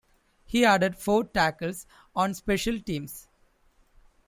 He added four tackles on special teams.